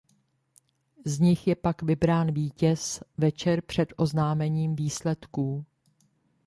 Z nich je pak vybrán vítěz večer před oznámením výsledků.